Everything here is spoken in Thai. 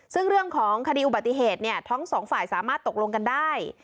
ซึ่งเรื่องของคดีอุบัติเหตุเนี่ยทั้งสองฝ่ายสามารถตกลงกันได้